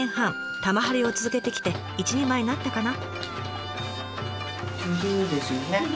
玉貼りを続けてきて一人前になったかな？